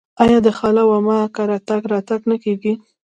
آیا د خاله او عمه کره تګ راتګ نه کیږي؟